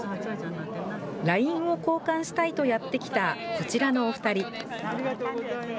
ＬＩＮＥを交換したいとやって来たこちらのお２人。